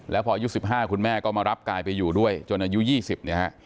แล้วพออายุ๑๕คุณแม่ก็มารับกายไปอยู่ด้วยจนอายุ๒๐เนี่ยฮะ